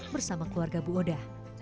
bersama keluarga bu oda